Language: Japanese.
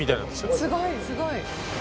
すごいすごい。